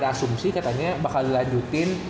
asumsi katanya bakal dilanjutin